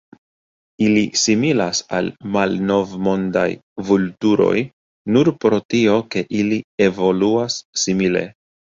Ili similas al Malnovmondaj vulturoj nur pro tio ke ili evoluas simile.